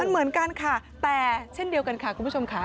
เหมือนกันค่ะแต่เช่นเดียวกันค่ะคุณผู้ชมค่ะ